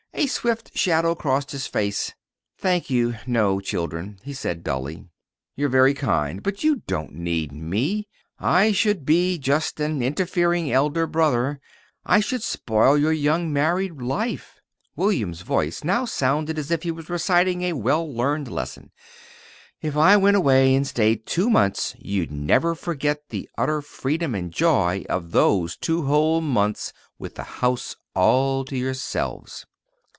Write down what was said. A swift shadow crossed his face. "Thank you, no, children," he said dully. "You're very kind, but you don't need me. I should be just an interfering elder brother. I should spoil your young married life." (William's voice now sounded as if he were reciting a well learned lesson.) "If I went away and stayed two months, you'd never forget the utter freedom and joy of those two whole months with the house all to yourselves."